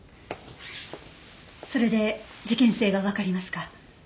それで事件性がわかりますか？